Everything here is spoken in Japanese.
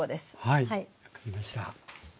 はい分かりました。